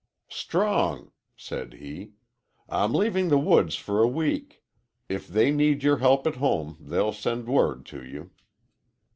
"Strong," said he, "I'm leaving the woods for a week. If they need your help at home they'll send word to you."